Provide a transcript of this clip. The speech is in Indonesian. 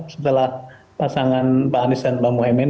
setelah pasangan pak anies dan pak mohaimin